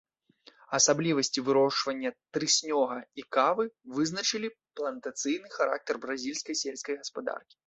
Асаблівасці вырошчвання трыснёга і кавы вызначылі плантацыйны характар бразільскай сельскай гаспадаркі.